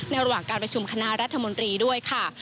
ระหว่างการประชุมคณะรัฐมนตรีด้วยค่ะ